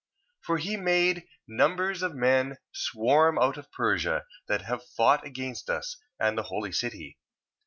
For he made numbers of men swarm out of Persia, that have fought against us, and the holy city.